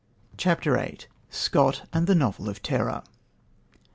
CHAPTER VIII SCOTT AND THE NOVEL OF TERROR.